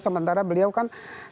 sementara beliau kan